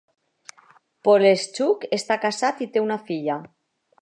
Poleshchuk està casat i té una filla.